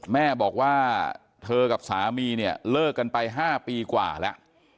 แม่บอกว่าเธอกับสามีเนี่ยเลิกกันไป๕ปีกว่าแล้ว